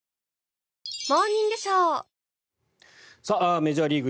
メジャーリーグ